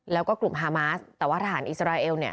แล้วก็กลุ่มฮามาสแต่ว่าทหารอิสราเอล